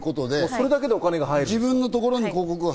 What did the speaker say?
それだけでお金が入るんです